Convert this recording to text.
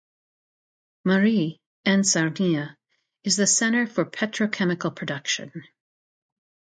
Marie, and Sarnia is the centre for petrochemical production.